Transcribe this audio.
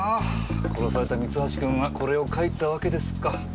殺された三橋くんがこれを描いたわけですか。